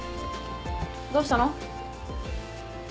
どうしたの？